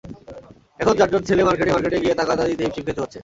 এখন যানজট ঠেলে মার্কেটে মার্কেটে গিয়ে তাগাদা দিতে হিমশিম খেতে হচ্ছে।